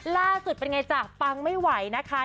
ล่าสุดเป็นไงจ้ะปังไม่ไหวนะคะ